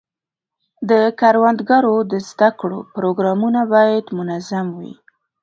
د کروندګرو د زده کړو پروګرامونه باید منظم وي.